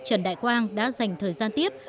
trần đại quang đã dành thời gian tiếp